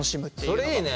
それいいね。